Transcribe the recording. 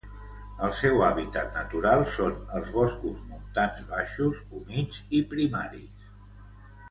El seu hàbitat natural són els boscos montans baixos humits i primaris.